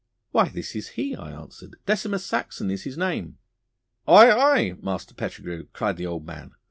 'Why, this is he,' I answered; 'Decimus Saxon is his name.' 'Aye, aye, Master Pettigrue,' cried the old man.